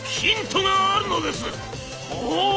「ほほう」。